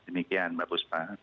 demikian mbak buspa